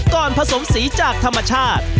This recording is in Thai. ผสมสีจากธรรมชาติ